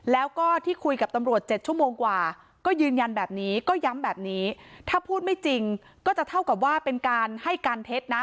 แล้วก็ที่คุยกับตำรวจ๗ชั่วโมงกว่าก็ยืนยันแบบนี้ก็ย้ำแบบนี้ถ้าพูดไม่จริงก็จะเท่ากับว่าเป็นการให้การเท็จนะ